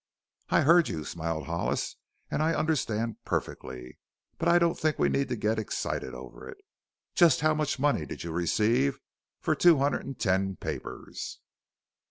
"I heard you," smiled Hollis, "and I understand perfectly. But I don't think we need to get excited over it. Just how much money did you receive for the two hundred and ten papers?"